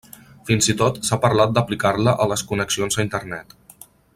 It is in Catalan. Fins i tot s'ha parlat d'aplicar-la a les connexions a internet.